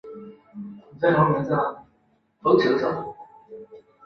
开启了台湾桧木经由日本三菱株式会社外销独占日本市场十余年的荣景。